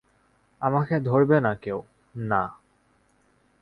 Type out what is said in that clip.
আমাকে ধরবে না কেউ, না।